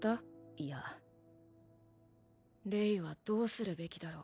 いやレイはどうするべきだろう